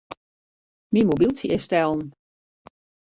Myn mobyltsje is stellen.